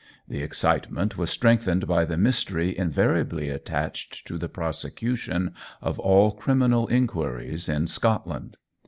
The excitement was strengthened by the mystery invariably attached to the prosecution of all criminal inquiries in Scotland.